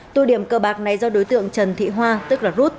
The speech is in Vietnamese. tụ điểm cờ bạc này do đối tượng trần thị hoa tức là rút